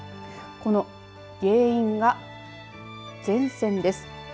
この原因が前線です。